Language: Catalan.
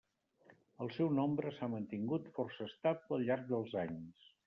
El seu nombre s'ha mantingut força estable al llarg dels anys.